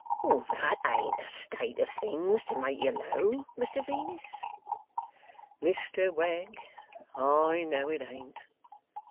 'That ain't a state of things to make you low, Mr Venus.' 'Mr Wegg, I know it ain't.